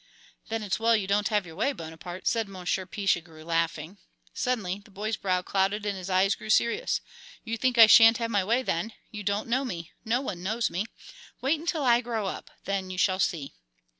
"Then it's well you don't have your way, Bonaparte," said Monsieur Pichegru, laughing. Suddenly the boy's brow clouded and his eyes grew serious. "You think I shan't have my way then? You don't know me, no one knows me. Wait until I grow up then you shall see."